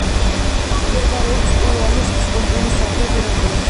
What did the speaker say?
მდებარეობს ტუვალუს კუნძულების სამხრეთ ნაწილში.